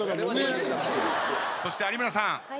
そして有村さん